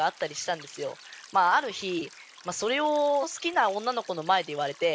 ある日それを好きな女の子の前で言われて。